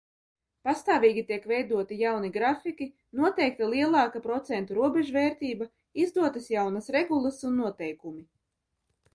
Pastāvīgi tiek veidoti jauni grafiki, noteikta lielāka procentu robežvērtība, izdotas jaunas regulas un noteikumi.